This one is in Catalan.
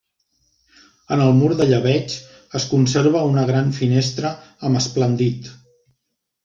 En el mur de llebeig es conserva una gran finestra amb esplandit.